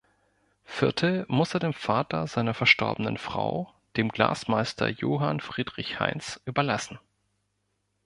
Viertel muss er dem Vater seiner verstorbenen Frau, dem Glasmeister Johann Friedrich Heinz überlassen.